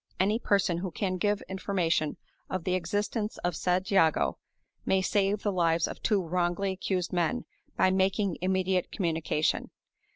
Any person who can give information of the existence of said Jago may save the lives of two wrongly accused men by making immediate communication.